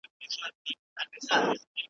هم باغوان هم به مزدور ورته په قار سو .